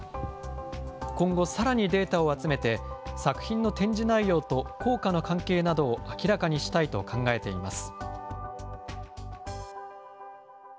今後さらにデータを集めて、作品の展示内容と効果の関係などを明らかにしたいと考えています。